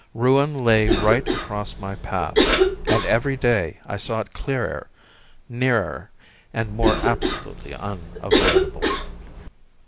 Ruin lay right across my path, and every day I saw it clearer, nearer, and more absolutely unavoidable.